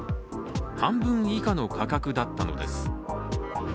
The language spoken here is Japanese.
半分以下の価格だったのです。